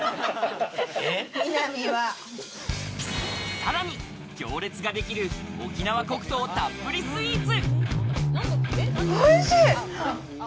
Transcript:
さらに行列ができる沖縄黒糖たっぷりスイーツ。